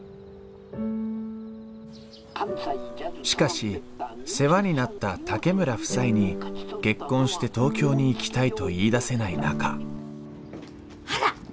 しかし世話になった竹村夫妻に結婚して東京に行きたいと言い出せない中あらっ！